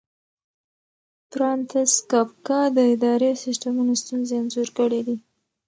فرانتس کافکا د اداري سیسټمونو ستونزې انځور کړې دي.